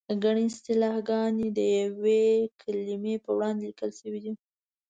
ګڼې اصطلاحګانې د یوې کلمې په وړاندې لیکل شوې دي.